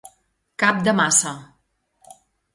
Cap de maça.